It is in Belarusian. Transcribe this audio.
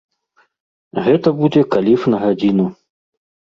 Гэта будзе каліф на гадзіну.